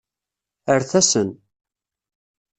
Rret-asen.